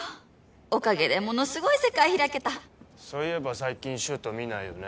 おかげでものすごい世界開けたそういえば最近柊人見ないよね